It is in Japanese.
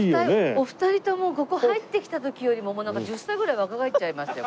お二人ともここ入ってきた時よりもなんか１０歳ぐらい若返っちゃいましたよ